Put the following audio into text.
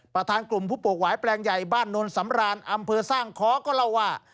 ประธานกลุ่มผู้ปลูกหวายแปลงใหญ่บ้านโนนสำรานอำเภอสร้างค้อก็เล่าว่า